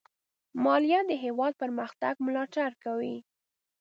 مالیه د هېواد پرمختګ ملاتړ کوي.